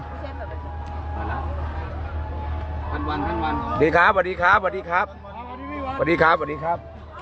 สวัสดีครับสวัสดีครับสวัสดีครับสวัสดีครับสวัสดีครับ